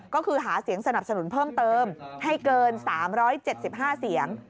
ก็คือหาเสียงสนับสนุนเพิ่มเติมให้เกิน๓๗๕เสียง